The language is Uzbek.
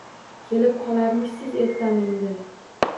Kelib qolarmishsiz ertami-indin